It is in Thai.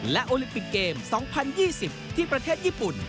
และโอลิมปิกเกม๒๐๒๐ที่ประเทศญี่ปุ่น